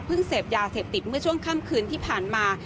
เสพยาเสพติดเมื่อช่วงค่ำคืนที่ผ่านมา